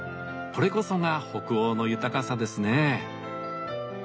これこそが北欧の豊かさですね。